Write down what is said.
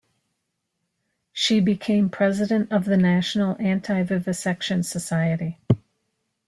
She became president of the National Anti-Vivisection Society.